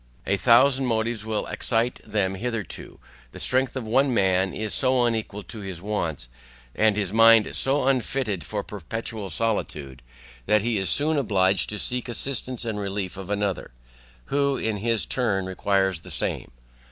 A thousand motives will excite them thereto, the strength of one man is so unequal to his wants, and his mind so unfitted for perpetual solitude, that he is soon obliged to seek assistance and relief of another, who in his turn requires the same.